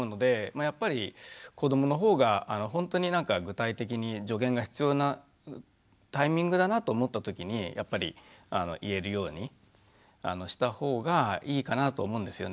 やっぱり子どものほうがほんとになんか具体的に助言が必要なタイミングだなと思った時にやっぱり言えるようにしたほうがいいかなと思うんですよね。